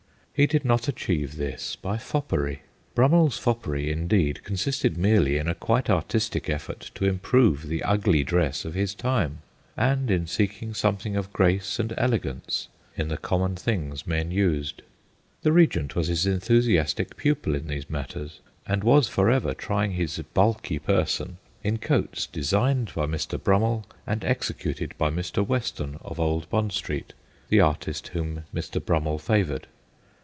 He did not achieve this by foppery. Brummeirs foppery, indeed, consisted merely in a quite artistic effort to improve the ugly dress of Ms time, and in seeking something of grace and elegance in the common things men used. The Regent was his enthusiastic pupil in these matters, and was for ever trying his bulky person in coats designed by Mr. Brummell and executed by Mr. A MODE OF HUMOUR 45 Weston of Old Bond Street, the artist whom Mr. Brummell favoured.